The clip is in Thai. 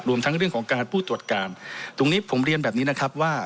ทั้งเรื่องของการผู้ตรวจการตรงนี้ผมเรียนแบบนี้นะครับว่า